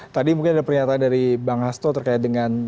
tadi mungkin ada pernyataan dari bang hasto terkait dengan